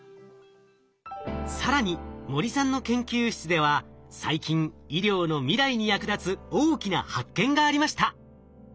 更に森さんの研究室では最近医療の未来に役立つ大きな発見がありました。